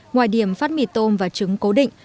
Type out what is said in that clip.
ngoài điểm phát mì tôm và trứng cố định